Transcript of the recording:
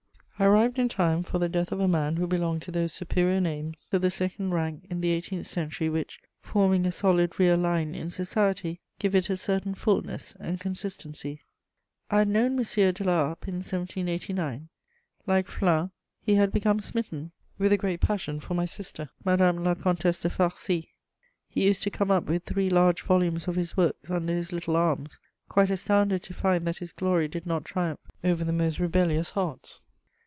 * I arrived in time for the death of a man who belonged to those superior names of the second rank in the eighteenth century which, forming a solid rear line in society, gave it a certain fulness and consistency. I had known M. de La Harpe in 1789: like Flins, he had become smitten with a great passion for my sister, Madame la Comtesse de Farcy. He used to come up with three large volumes of his works under his little arms, quite astounded to find that his glory did not triumph over the most rebellious hearts.